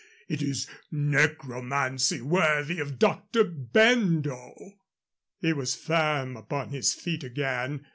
It is a necromancy worthy of Dr. Bendo." He was firm upon his feet again.